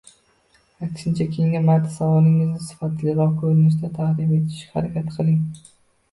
Aksincha, keyingi marta savolingizni sifatliroq ko’rinishda taqdim etishga harakat qiling